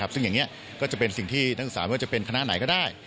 ซึ่งอย่างนี้ก็จะเป็นสิ่งที่นักศึกษาไม่ว่าจะเป็นคณะไหนก็ได้